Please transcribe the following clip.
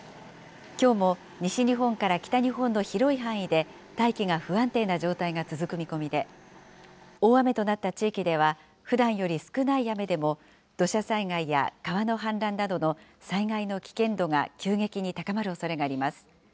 きょうも西日本から北日本の広い範囲で大気が不安定な状態が続く見込みで、大雨となった地域では、ふだんより少ない雨でも、土砂災害や川の氾濫などの災害の危険度が急激に高まるおそれがあります。